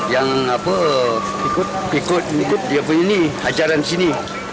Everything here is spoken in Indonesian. yang apa ikut dia punya ini ajaran disini